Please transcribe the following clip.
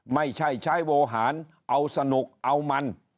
ไม่ใช่ใช้โวหารเอาสนุกเอามัน